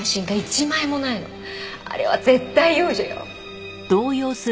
あれは絶対養女よ。